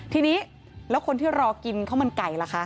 ทีนี้แล้วคนที่รอกินข้าวมันไก่ล่ะคะ